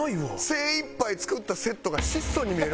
精いっぱい作ったセットが質素に見えるもん。